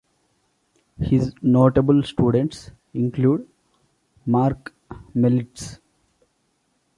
His notable students include Marc Mellits.